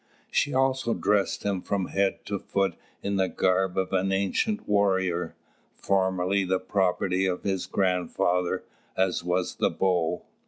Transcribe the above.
She also dressed him from head to foot in the garb of an ancient warrior, formerly the property of his grandfather, as was the bow.